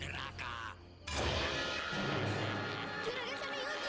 ya tuhan bapak